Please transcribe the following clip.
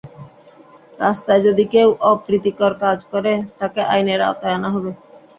রাস্তায় যদি কেউ অপ্রীতিকর কাজ করে, তাকে আইনের আওতায় আনা হবে।